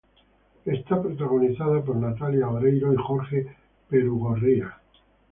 Es protagonizada por Natalia Oreiro y Jorge Perugorría.